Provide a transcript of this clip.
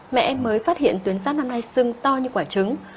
mẹ em mới phát hiện tuyến rác năm nay sưng to như quả trứng